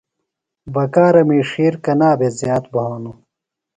بکارمی ڇِھیر کنا بھےۡ زِیات بھانوۡ؟